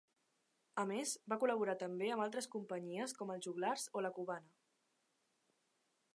A més, va col·laborar també amb altres companyies com Els Joglars o La Cubana.